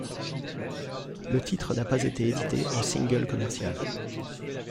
Le titre n'a pas été édité en single commercial.